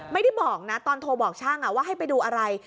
ไม่ได้บอกนะตอนโทรบอกช่างว่าให้ไปดูอะไร